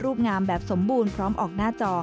งามแบบสมบูรณ์พร้อมออกหน้าจอ